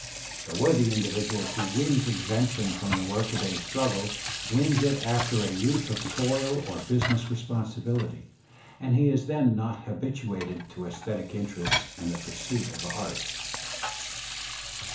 The worthy individual who wins y exemption from the workaday struggle wins it after a youth of toil or business responsibility, and he is then not habituated to aesthetic interests and the pursuits of art.